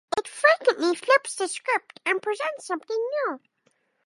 It frequently flips the script and presents something new.